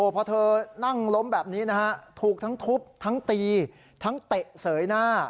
พอเธอนั่งล้มแบบนี้นะฮะถูกทั้งทุบทั้งตีทั้งเตะเสยหน้า